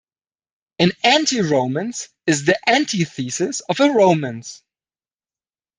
An anti-romance is the antithesis of a romance.